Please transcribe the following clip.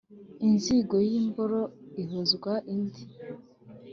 inzigo y’imboro ihozwa indi